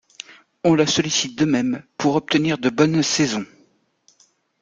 On la sollicite de même pour obtenir de bonnes saisons.